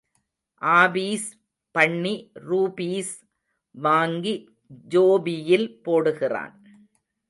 Office பண்ணி rupees வாங்கி ஜோபியில் போடுகிறான்.